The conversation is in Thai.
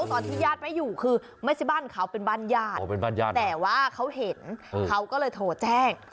ตอนที่ญาติไม่อยู่คือไม่ใช่บ้านเขาเป็นบ้านญาติแต่ว่าเขาเห็นเขาก็เลยโทรแจ้ง